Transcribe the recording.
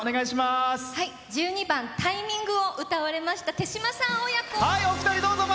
１２番「Ｔｉｍｉｎｇタイミング」を歌われましたてしまさん親子。